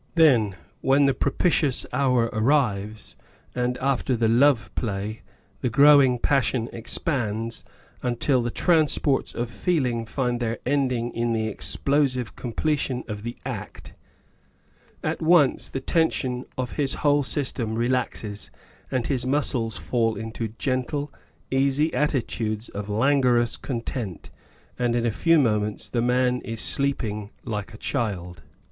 Then, when the propitious hour arrives, and after the love play, the growing passion expands, until the transports of feeling find their ending in the explosive completion of the act, at once the tension of his whole system relaxes, and his muscles fall into gentle, easy attitudes of languorous content, and in a few moments the man is sleeping like a child.